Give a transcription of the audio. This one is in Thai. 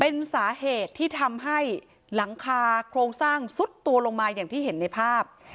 เป็นสาเหตุที่ทำให้หลังคาโครงสร้างซุดตัวลงมาอย่างที่เห็นในภาพ